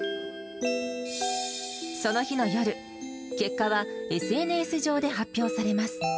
その日の夜、結果はＳＮＳ上で発表されます。